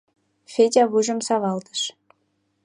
Федя вуйжым савалтыш.